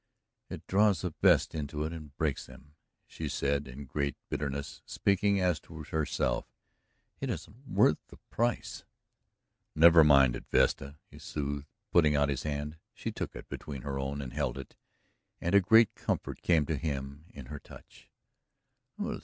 "It draws the best into it and breaks them," she said in great bitterness, speaking as to herself. "It isn't worth the price!" "Never mind it, Vesta," he soothed, putting out his hand. She took it between her own, and held it, and a great comfort came to him in her touch.